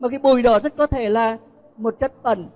mà cái bụi đó rất có thể là một chất bẩn